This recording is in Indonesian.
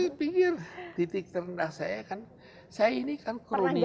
saya pikir titik terendah saya kan saya ini kan kronik